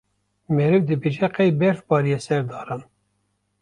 meriv dibêje qey berf bariye ser daran.